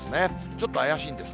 ちょっと怪しいんです。